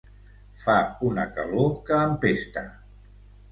Fa una calor que empesta!